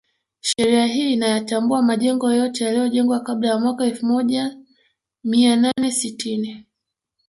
Sheria hii inayatambua majengo yote yaliyojengwa kabla ya mwaka elfu moja Mia nane sitini